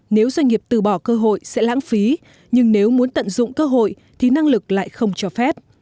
nếu doanh nghiệp từ bỏ cơ hội sẽ lãng phí nhưng nếu muốn tận dụng cơ hội thì năng lực lại không cho phép